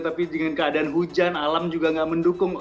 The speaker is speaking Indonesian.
tapi dengan keadaan hujan alam juga nggak mendukung